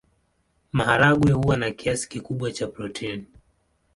Maharagwe huwa na kiasi kikubwa cha protini.